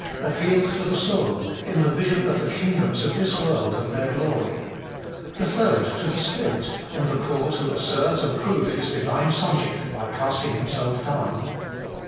appealed to the soul, in the vision of the kingdoms of this world and their glory ; the third to the spirit, in the call to assert and prove His Divine Sonship by casting Himself down.